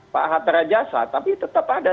pak hatta rajasa tapi tetap ada